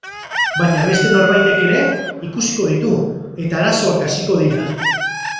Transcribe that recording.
Baina beste norbaitek ere ikusiko ditu, eta arazoak hasiko dira.